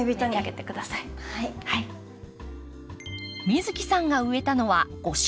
美月さんが植えたのは５種類。